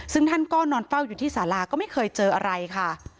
ซึ่งท่านก็นอนเฝ้าอยู่ที่สาราก็ไม่เคยเจออะไรค่ะ